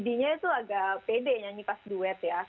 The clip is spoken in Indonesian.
jadinya itu agak pede nyanyi pas duet ya